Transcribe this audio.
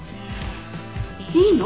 いいの？